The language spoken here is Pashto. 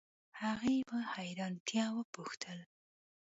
هغې په حیرانتیا وپوښتل